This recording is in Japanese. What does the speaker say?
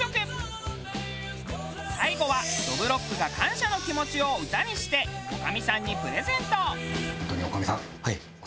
最後はどぶろっくが感謝の気持ちを歌にして女将さんにプレゼント。